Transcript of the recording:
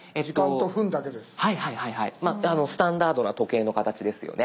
スタンダードな時計の形ですよね。